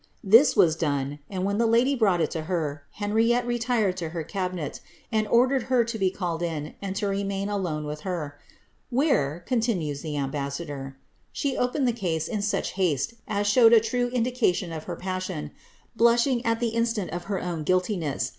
This was done, and when the lady brought it to her, Henriette retired to her cabi net, and ordered her to be called in, and to remain alone with her, where," continues the ambassador,* ^ she opened the case in such basie as showed a true indication of her passion, blushing at the instant at her own guiltiness.